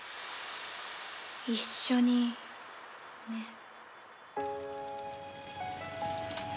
一緒にね。